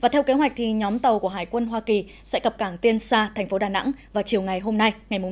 theo kế hoạch nhóm tàu của hải quân hoa kỳ sẽ cập cảng tiên xa thành phố đà nẵng vào chiều ngày hôm nay ngày một